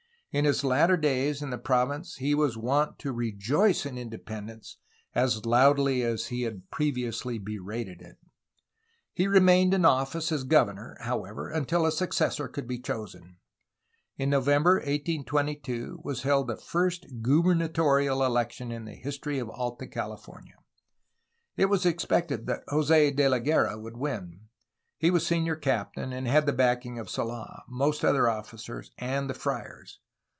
In his latter days in the province he was wont to '^rejoice" in independence as loudly as he had previously berated it. He remained in office as governor, however, until a successor could be chosen. In November 1822 was held the first gubernatorial election in the history of Alta California. It was expected that Jos6 De la Guerra would win. He was senior captain and tad the backing of Sold, most other officers, and the friars.